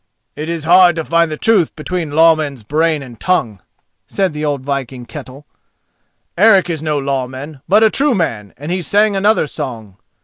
"It is hard to find the truth between lawman's brain and tongue," said the old viking Ketel. "Eric is no lawman, but a true man, and he sang another song.